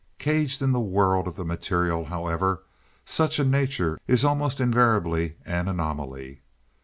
Caged in the world of the material, however, such a nature is almost invariably an anomaly.